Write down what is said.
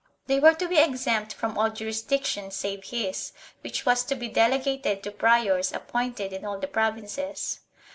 They were to be exempt from all jurisdiction save his, which was to be delegated to priors ap pointed in all the provinces.